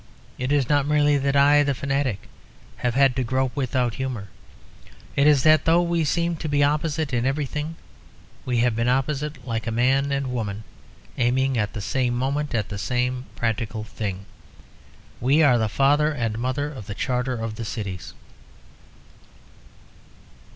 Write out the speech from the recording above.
It is not merely that I, the fanatic, have had to grope without humour. It is that, though we seem to be opposite in everything, we have been opposite like man and woman, aiming at the same moment at the same practical thing. We are the father and the mother of the Charter of the Cities."